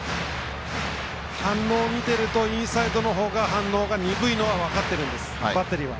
反応を見ているとインサイドのほうが反応が鈍いのは分かっているんです、バッテリーも。